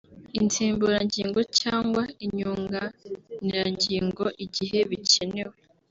insimburangingo cyangwa inyunganirangingo igihe bikenewe